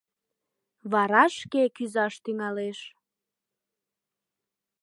Вара шке кӱзаш тӱҥалеш.